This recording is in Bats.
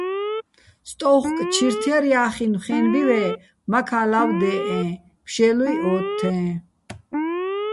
სტოუხკო̆ ჩირთ ჲარ ჲახინო̆ ხენბივე́ მაქა́ ლავ დე́ჸეჼ, ფშე́ლუჲ ო́თთეჼ.